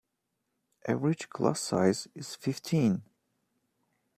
Average class size is fifteen.